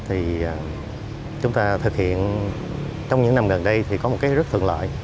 thì chúng ta thực hiện trong những năm gần đây thì có một cái rất thường loại